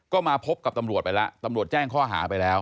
ก็มาพบกับตำรวจไปแล้วตำรวจแจ้งข้อหาไปแล้ว